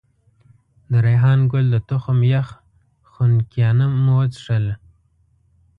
د ریحان ګل د تخم یخ خنکيانه مو وڅښل.